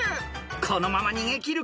［このまま逃げ切るか？］